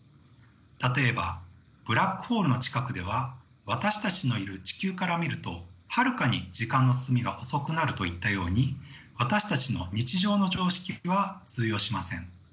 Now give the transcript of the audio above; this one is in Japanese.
例えばブラックホールの近くでは私たちのいる地球から見るとはるかに時間の進みが遅くなるといったように私たちの日常の常識は通用しません。